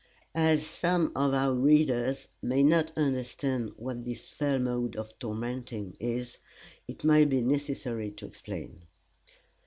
As some of our readers may not understand what this fell mode of tormenting is, it may be necessary to explain.